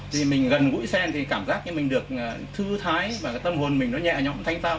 vì mình gần gũi sen thì cảm giác như mình được thư thái và tâm hồn mình nó nhẹ nhõm thanh tao